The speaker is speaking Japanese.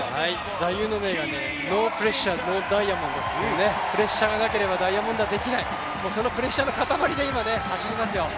座右の銘がノー・プレッシャー・ノー・ダイヤモンドプレッシャーがなければダイヤモンドはできない、そのプレッシャーの塊で今、走りますよ。